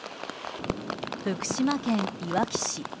福島県いわき市。